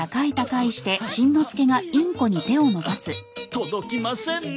届きませんね。